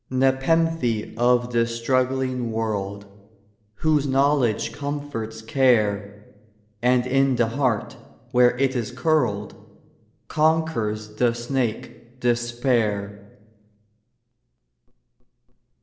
Nepenthe of this struggling world, Whose knowledge comforts care, And in the heart, where it is curled, Conquers the snake, despair.